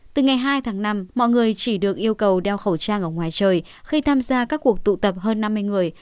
từ ngày hai tháng năm mọi người chỉ được yêu cầu đeo khẩu trang ở ngoài trời khi tham gia các cuộc tụ tập hơn năm mươi người